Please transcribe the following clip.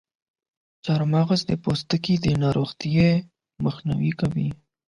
چارمغز د پوستکي د ناروغیو مخنیوی کوي.